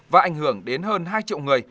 và ảnh hưởng đến hơn hai triệu người